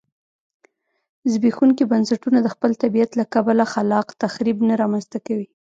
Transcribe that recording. زبېښونکي بنسټونه د خپل طبیعت له کبله خلاق تخریب نه رامنځته کوي